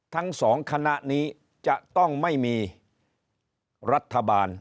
ทั้งสองคณะนี้จะต้องไม่มีรัฐบาล